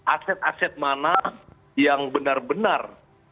aset aset mana yang benar benar